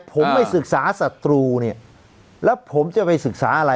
ผมไม่ศึกษาศัตรูเนี่ยแล้วผมจะไปศึกษาอะไร